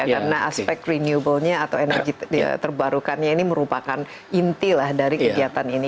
karena aspek renewable nya atau energi terbarukannya ini merupakan inti lah dari kegiatan ini